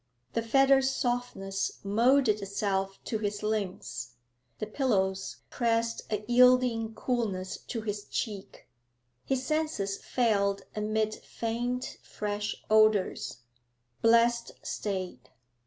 The feather softness moulded itself to his limbs; the pillows pressed a yielding coolness to his cheek; his senses failed amid faint fresh odours. Blessed state!